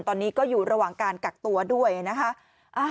ตอนนี้ก็อยู่ระหว่างการกักตัวด้วยนะคะ